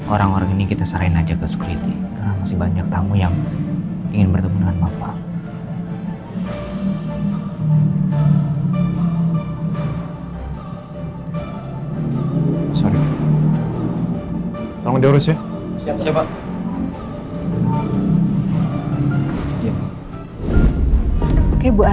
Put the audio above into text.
orang orang ini kita saranin aja ke security karena masih banyak tamu yang ingin bertemu dengan pak pak